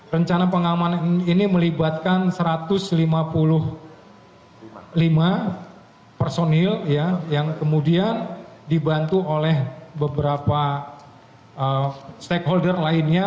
rencana pengamanan ini melibatkan satu ratus lima puluh lima personil yang kemudian dibantu oleh beberapa stakeholder lainnya